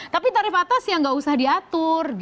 tapi tarif atas ya nggak usah diatur